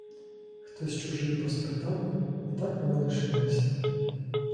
Хтось чужий поспитав, і так воно лишилося.